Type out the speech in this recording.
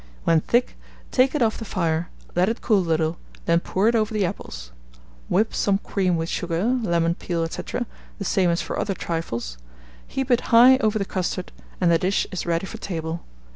When thick, take it off the fire; let it cool a little, then pour it over the apples. Whip some cream with sugar, lemon peel, &c., the same as for other trifles; heap it high over the custard, and the dish is ready for table.